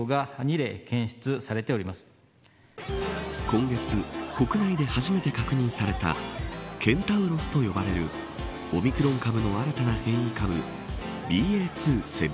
今月、国内で初めて確認されたケンタウロスと呼ばれるオミクロン株の新たな変異株ＢＡ２．７５。